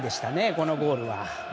このゴールは。